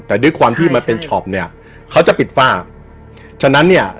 แต่ด้วยความที่มันเป็นช็อปเนี้ยเขาจะปิดฝ้าฉะนั้นเนี่ย